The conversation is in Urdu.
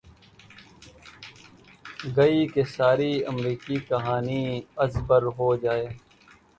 گی کہ ساری امریکی کہانی از بر ہو جائے۔